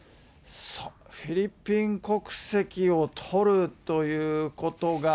フィリピン国籍を取るということが。